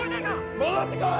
戻ってこい！